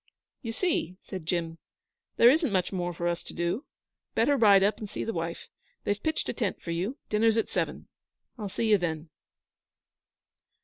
'You see!' said Jim. 'There isn't much more for us to do. Better ride up and see the wife. They've pitched a tent for you. Dinner's at seven. I'll see you then.'